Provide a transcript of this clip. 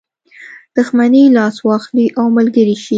دښمني لاس واخلي او ملګری شي.